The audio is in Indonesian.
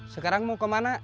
sekarang mau ke mana